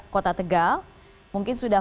kota tegal mungkin sudah